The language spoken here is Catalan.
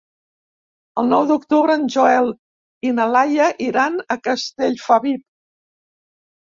El nou d'octubre en Joel i na Laia iran a Castellfabib.